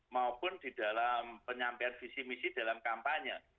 maupun di dalam penyampaian visi misi dalam kampanye